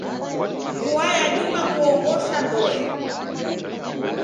Vua yadima kuoghosha ndoe.